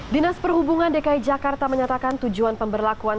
dinas perhubungan dki jakarta menyatakan tujuan pemberlakuan